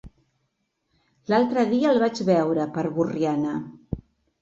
L'altre dia el vaig veure per Borriana.